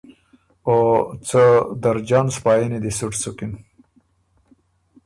او څه درجن سپائنی دی سُټ سُکِن